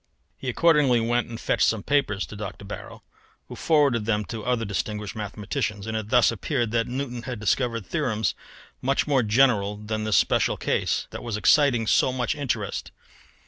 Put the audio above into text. He accordingly went and fetched some papers to Dr. Barrow, who forwarded them to other distinguished mathematicians, and it thus appeared that Newton had discovered theorems much more general than this special case that was exciting so much interest.